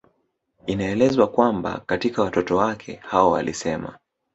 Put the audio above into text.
Inaelezwa kwamba katika watoto wake hao alisema